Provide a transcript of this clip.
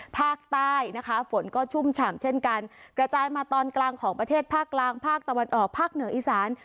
ภาคใต้นะคะฝนก็ชุ่มฉ่ำเช่นกันกระจายมาตอนกลางของประเทศภาคกลางภาคตะวันออกภาคเหนืออีสาน